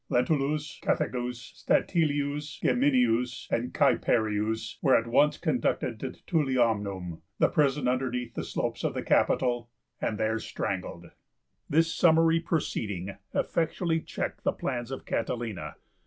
Lentulus, Cethegus, Statilius, Gabinius and Caeparius were at once conducted to the Tullianum, the prison underneath the slopes of the Capitol, and there strangled. This summary proceeding effectually checked the plans of Catilina.